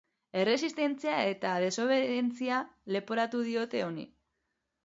Erresistentzia eta desobedientzia leporatu diote honi.